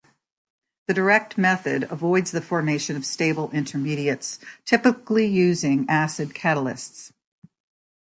The direct method avoids the formation of stable intermediates, typically using acid catalysts.